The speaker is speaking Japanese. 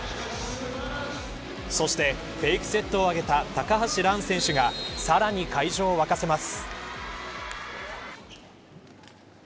そしてフェイクセットを上げた高橋藍選手がさらに会場を沸かせます。